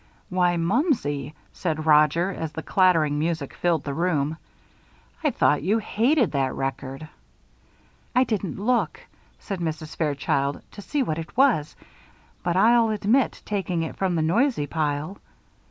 "Why, Mumsey!" said Roger, as the clattering music filled the room, "I thought you hated that record." "I didn't look," said Mrs. Fairchild, "to see what it was; but I'll admit taking it from the noisy pile."